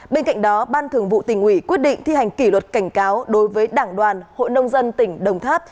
bên cạnh đó ban thường vụ tỉnh ủy quyết định thi hành kỷ luật cảnh cáo đối với đảng đoàn hội nông dân tỉnh đồng tháp